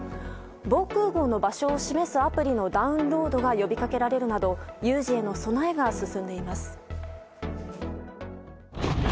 防空壕の場所を示すアプリのダウンロードが呼びかけられるなど有事への備えが進んでいます。